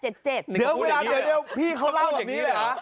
เดี๋ยวพี่เขาเล่าแบบนี้แหละ